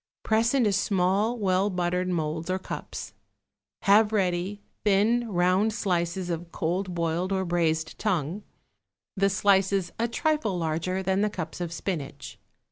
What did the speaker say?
Press into small, well buttered moulds or cups. Have ready thin, round slices of cold boiled or braised tongue, the slices a trifle larger than the cups of spinach.